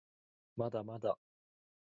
まだまだ